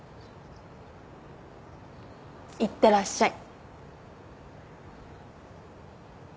いってらっしゃい。